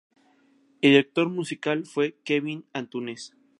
El director musical fue Kevin Antunes.